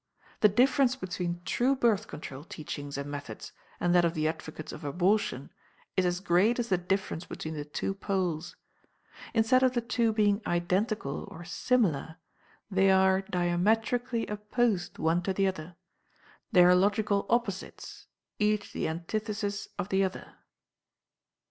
The difference between true Birth Control teachings and methods, and that of the advocates of abortion, is as great as the difference between the two poles. Instead of the two being identical or similar, they are diametrically opposed one to the other they are logical "opposites," each the antithesis of the other.